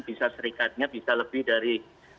bisa serikatnya bisa lebih dari